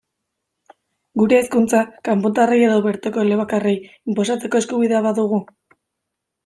Gure hizkuntza, kanpotarrei edo bertoko elebakarrei, inposatzeko eskubidea badugu?